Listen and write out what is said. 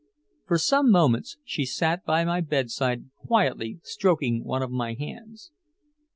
For some moments she sat by my bedside quietly stroking one of my hands.